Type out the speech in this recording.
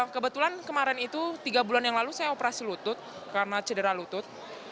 kebetulan kemarin itu tiga bulan yang lalu saya operasi lutut karena cedera lutut